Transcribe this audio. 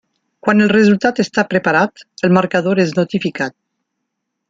Quan el resultat està preparat, el marcador és notificat.